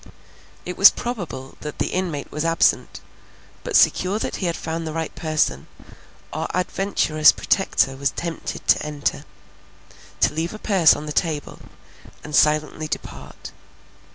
It was probable that the inmate was absent, but secure that he had found the right person, our adventurous Protector was tempted to enter, to leave a purse on the table, and silently depart.